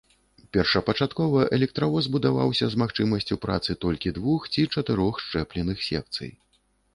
Першапачаткова электравоз будаваўся з магчымасцю працы толькі двух ці чатырох счэпленых секцый.